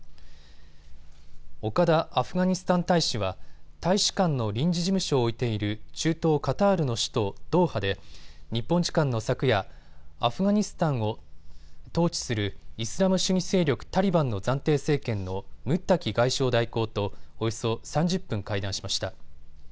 岡田アフガニスタン大使は大使館の臨時事務所を置いている中東カタールの首都ドーハで日本時間の昨夜、アフガニスタンを統治するイスラム主義勢力タリバンの暫定政権のムッタキ外相代行とおよそ３０分、会談しました。